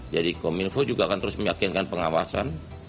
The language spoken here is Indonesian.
jadi kominfo juga akan terus meyakinkan pengawasan